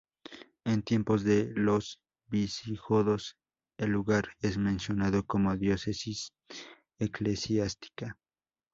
En tiempos de los visigodos, el lugar es mencionado como diócesis eclesiástica.